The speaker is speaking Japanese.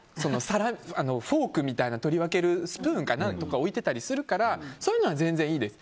フォークみたいな取り分けるスプーンとか置いてたりするからそういうのは全然いいです。